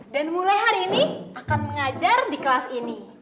dan mulai hari ini akan mengajar di kelas ini